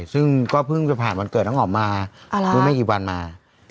ซึ่งก็เพิ่งจะผ่านวันเกิดแล้วออกมาไม่กี่วันมา